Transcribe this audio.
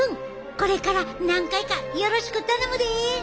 これから何回かよろしく頼むで！